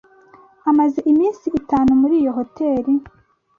Amaze iminsi itanu muri iyo hoteri.